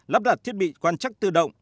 lắp đặt thiết bị quan trắc tự động